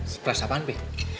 surprise apaan pi